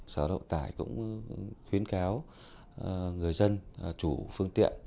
sở động tải cũng khuyến cáo người dân chủ phương tiện